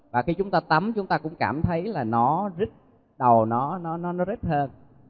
và khi chúng ta tắm chúng ta cũng cảm thấy là nó rít đầu nó rít hơn